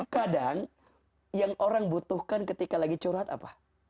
kadang yang orang butuhkan ketika lagi curhat apa